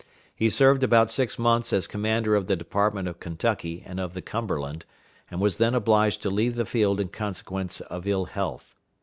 He served about six months as Commander of the Department of Kentucky and of the Cumberland, and was then obliged to leave the field in consequence of ill health.